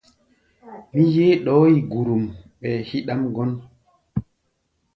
Mí yeé ɗɔɔ́ yi gurum ɓɛɛ híɗʼám gɔ́n.